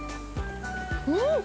うん！